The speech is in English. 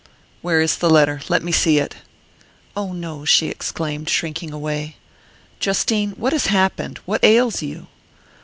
"Where is the letter? Let me see it." "Oh, no" she exclaimed, shrinking away. "Justine, what has happened? What ails you?"